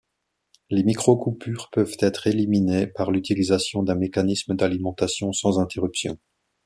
Les micro-coupures peuvent être éliminées par l'utilisation d'un mécanisme d'alimentation sans interruption.